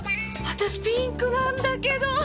私ピンクなんだけど！